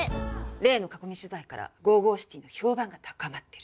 例の囲み取材からＧＯＧＯＣＩＴＹの評判が高まってる。